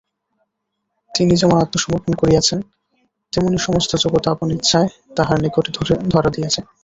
তিনি যেমন আত্মসমর্পণ করিয়াছেন, তেমনি সমস্ত জগৎ আপন ইচ্ছায় তাঁহার নিকটে ধরা দিয়াছে।